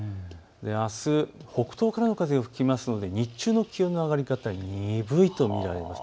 あす北東からの風が吹きますので日中の気温の上がり方、鈍いと見られます。